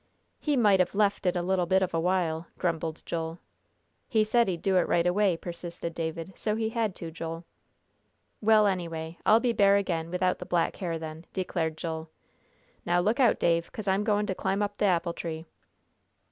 "He might have left it a little bit of a while," grumbled Joel. "He said he'd do it right away," persisted David, "so he had to, Joel." "Well, anyway, I'll be bear again without the black hair, then," declared Joel. "Now, look out, Dave, 'cause I'm goin' to climb up th' apple tree."